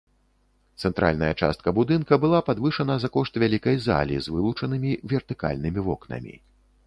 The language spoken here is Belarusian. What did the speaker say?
Цэнтральная частка будынка была падвышана за кошт вялікай залі з вылучанымі вертыкальнымі вокнамі.